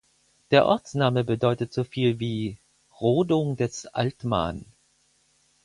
Der Ortsname bedeutet so viel wie "Rodung des Altman".